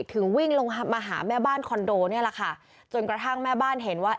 ถึงวิ่งลงมาหาแม่บ้านคอนโดเนี่ยแหละค่ะจนกระทั่งแม่บ้านเห็นว่า